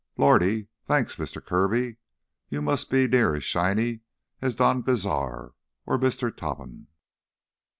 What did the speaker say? "Lordy! Thanks, Mister Kirby! You must be near as shiny as Don Cazar—or Mister Topham!"